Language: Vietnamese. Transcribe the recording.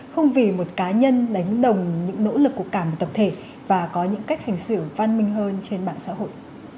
không vì một cá nhân đánh đồng những nỗ lực của cả một tập thể và có những cách hành xử văn minh hơn trên mạng xã hội